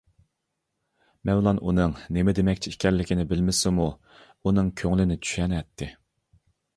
مەۋلان ئۇنىڭ نېمە دېمەكچى ئىكەنلىكىنى بىلمىسىمۇ، ئۇنىڭ كۆڭلىنى چۈشىنەتتى.